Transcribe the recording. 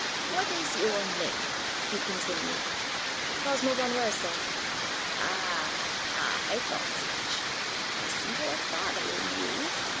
ãWhat is your name?ã he continued. ãCosmo von Wehrstahl.ã ãAh, ah! I thought as much. I see your father in you.